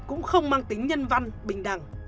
cũng không mang tính nhân văn bình đẳng